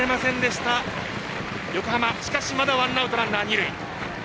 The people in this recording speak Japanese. しかしまだワンアウトランナー、二塁。